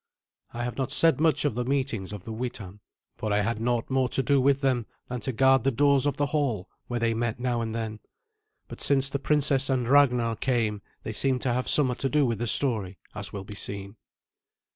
I have not said much of the meetings of the Witan, for I had naught more to do with them than to guard the doors of the hall where they met now and then; but since the princess and Ragnar came they seem to have somewhat to do with the story, as will be seen.